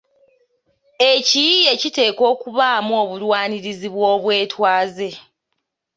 Ekiyiiye kiteekwa okubaamu obulwanirizi bw’obwetwaze.